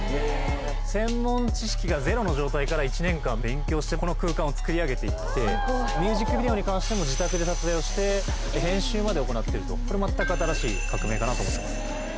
専門知識がゼロの状態から１年間勉強してこの空間を作り上げて行ってミュージックビデオに関しても自宅で撮影をして編集まで行っているとこれ全く新しい革命かなと思ってます。